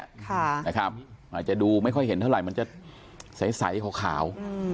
อาจจะดูไม่ค่อยเห็นเท่าไหร่มันจะใสขาว